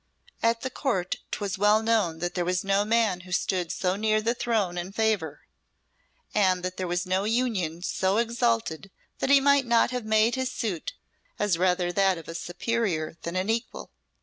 At the Court 'twas well known there was no man who stood so near the throne in favour, and that there was no union so exalted that he might not have made his suit as rather that of a superior than an equal.